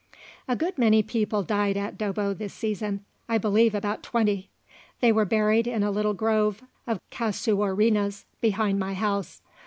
A good many people died at Dobbo this season; I believe about twenty. They were buried in a little grove of Casuarinas behind my house.